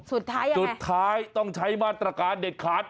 สุดท้ายอ่ะสุดท้ายต้องใช้มาตรการเด็ดขาด